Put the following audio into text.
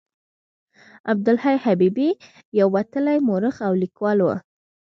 عبدالحي حبیبي یو وتلی مورخ او لیکوال و.